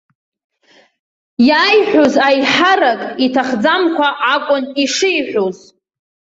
Иааиҳәаз аиҳарак, иҭахӡамкәа акәын ишиҳәоз.